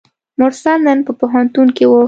مرسل نن په پوهنتون کې وه.